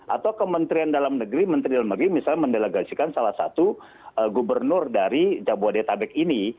atau kementerian dalam negeri menteri dalam negeri misalnya mendelegasikan salah satu gubernur dari jabodetabek ini